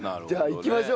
行きましょう。